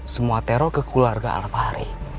semua teror ke keluarga al fahri